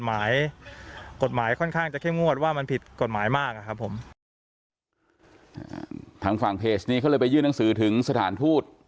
หมายมากครับผมทางฝั่งเพจนี้เขาเลยไปยื่นหนังสือถึงสถานพูด